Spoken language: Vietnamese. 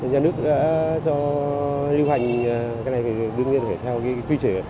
nhà nước đã cho lưu hành cái này đương nhiên phải theo cái quy chế